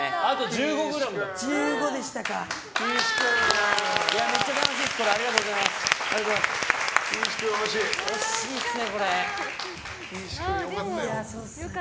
１５でしたか。